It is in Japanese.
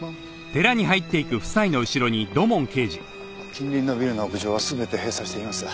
近隣のビルの屋上は全て閉鎖しています。